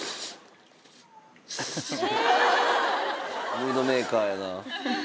ムードメーカーやな。